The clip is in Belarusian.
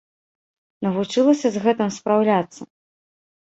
Навучылася з гэтым спраўляцца?